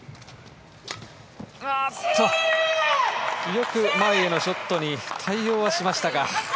よく前へのショットに対応はしましたが。